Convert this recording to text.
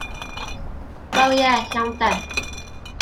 Wel ie, iawn 'de.